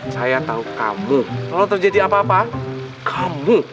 saya tahu kamu kalau terjadi apa apa kamu